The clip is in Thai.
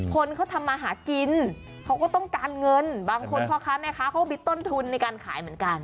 คนเขาทำมาหากินเขาก็ต้องการเงินบางคนพ่อค้าแม่ค้าเขาก็มีต้นทุนในการขายเหมือนกัน